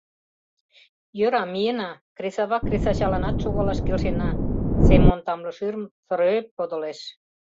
— Йӧра, миена, кресава-кресачаланат шогалаш келшена, — Семон тамле шӱрым сырӧп подылеш.